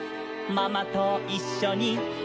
「パパといっしょに」